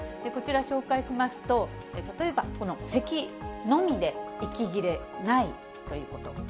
こちら、紹介しますと、例えば、このせきのみで息切れないということ。